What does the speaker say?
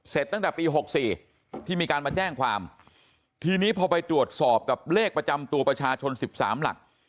ตั้งแต่ปี๖๔ที่มีการมาแจ้งความทีนี้พอไปตรวจสอบกับเลขประจำตัวประชาชน๑๓หลัก